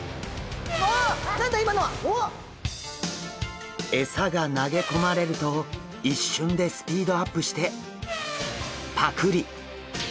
わっ何だ今のは！？餌が投げ込まれると一瞬でスピードアップしてパクリ！